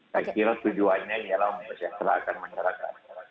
saya kira tujuannya adalah mempersehatkan masyarakat